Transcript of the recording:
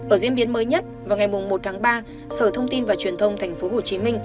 ở diễn biến mới nhất vào ngày một tháng ba sở thông tin và truyền thông tp hcm